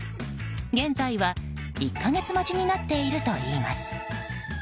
現在は１か月待ちになっているといいます。